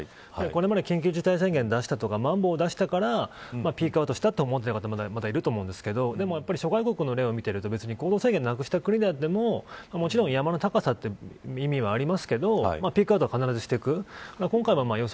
これまで緊急事態宣言を出したとかマンボウを出したからピークしたと思っている方もまだいると思いますがでも諸外国の例を見てると行動制限をなくした地域になってももちろん、山の高さは意味がありますがピークアウトは必ずしていく。